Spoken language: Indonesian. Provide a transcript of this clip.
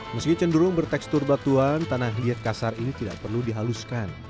meski cenderung bertekstur batuan tanah liat kasar ini tidak perlu dihaluskan